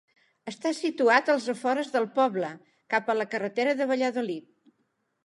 Està situat als afores del poble, cap a la carretera de Valladolid.